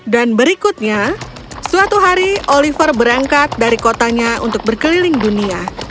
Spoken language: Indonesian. dan berikutnya suatu hari oliver berangkat dari kotanya untuk berkeliling dunia